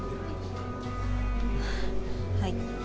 はい。